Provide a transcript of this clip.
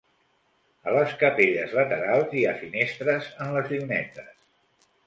A les capelles laterals hi ha finestres en les llunetes.